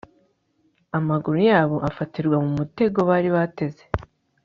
amaguru yabo afatirwa mu mutego bari bateze